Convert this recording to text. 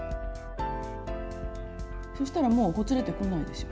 そしたらもうほつれてこないでしょ。